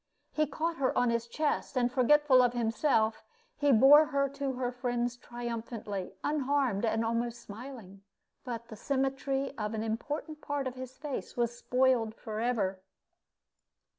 He caught her on his chest, and forgetful of himself, he bore her to her friends triumphantly, unharmed, and almost smiling. But the symmetry of an important part of his face was spoiled forever.